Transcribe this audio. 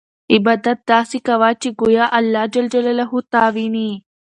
عبادت داسې کوه چې ګویا اللهﷻ تا ویني.